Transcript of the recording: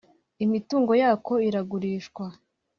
imitungo yako iragurishwa.